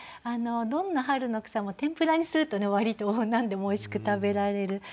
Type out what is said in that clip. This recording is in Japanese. どんな春の草も天ぷらにすると割と何でもおいしく食べられる。